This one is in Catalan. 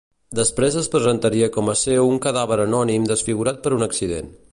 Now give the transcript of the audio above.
Després es presentaria com a seu un cadàver anònim desfigurat per un accident.